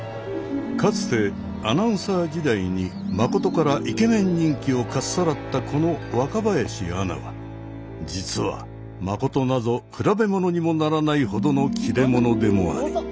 かつてアナウンサー時代に真からイケメン人気をかっさらったこの若林アナは実は真なぞ比べものにもならないほどの切れ者でもあり。